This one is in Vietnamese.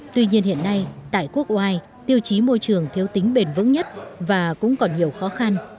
tuy nhiên hiện nay tại quốc oai tiêu chí môi trường thiếu tính bền vững nhất và cũng còn nhiều khó khăn